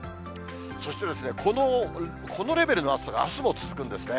そしてこのレベルの暑さがあすも続くんですね。